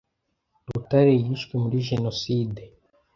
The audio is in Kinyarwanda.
Rutare yishwe muri Jenoside